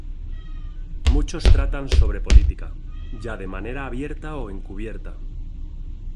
Muchos tratan sobre política, ya de manera abierta o encubierta.